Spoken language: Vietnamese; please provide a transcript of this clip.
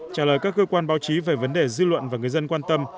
trả lời các cơ quan báo chí về vấn đề dư luận và người dân quan tâm